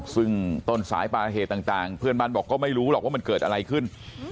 ซึ่งต้นสายปลายเหตุต่างเพื่อนบ้านบอกก็ไม่รู้หรอกว่ามันเกิดอะไรขึ้น